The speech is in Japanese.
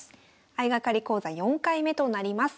相掛かり講座４回目となります。